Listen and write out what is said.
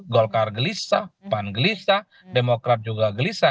golkar gelisah pan gelisah demokrat juga gelisah